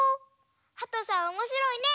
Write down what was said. はとさんおもしろいね！